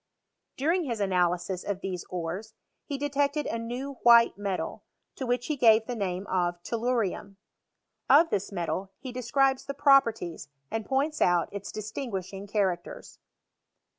During his analysis of these ores, he detected a new white metal, to which he gave the name of tellurium. Of this metal he describes the properties, and points out its distinguishing characters.